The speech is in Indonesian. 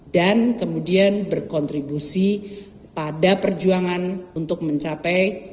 dan kemudian berkontribusi pada perjuangan untuk mencapai